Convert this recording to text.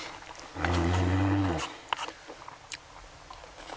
うん。